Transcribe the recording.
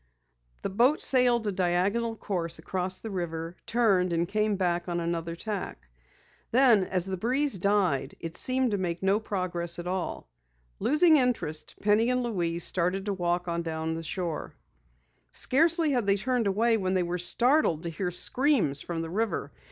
The boat sailed a diagonal course across the river, turned, and came back on another tack. Then as the breeze died, it seemed to make no progress at all. Losing interest, Penny and Louise started to walk on down the shore. Scarcely had they turned away than they were startled to hear screams from the river.